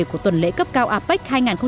của tuần lễ cấp cao apec hai nghìn một mươi bảy